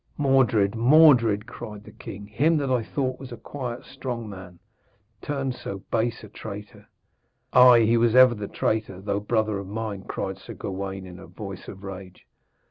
'Mordred! Mordred!' cried the king, 'him that I thought was a quiet, strong man turned so base a traitor!' 'Ay, he was ever the traitor, though brother of mine,' cried Sir Gawaine in a voice of rage.